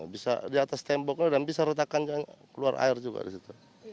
bisa di atas temboknya dan bisa retakannya keluar air juga disitu